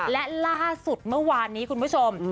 และล่าสุดเมื่อวานนี้คุณผู้ชม